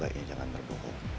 sebaiknya jangan berbohong